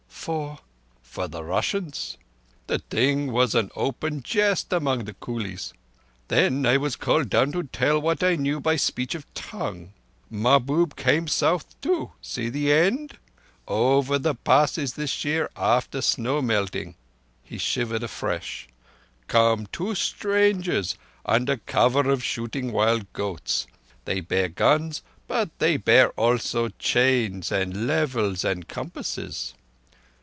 "For?" "For the Russians. The thing was an open jest among the coolies. Then I was called down to tell what I knew by speech of tongue. Mahbub came South too. See the end! Over the Passes this year after snow melting"—he shivered afresh—"come two strangers under cover of shooting wild goats. They bear guns, but they bear also chains and levels and compasses."